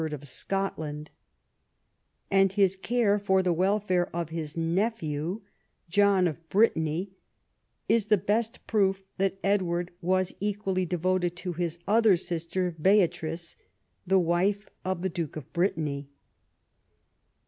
of Scotland, and his care for the welfare of his nephew, John of Brittany, is the best proof that Edward was equally devoted to his other sister Beatrice, the wife of the Duke of Brittany.